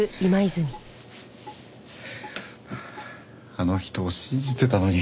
あの人を信じてたのに。